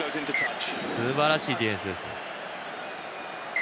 すばらしいディフェンスです。